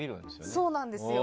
そうなんですよ。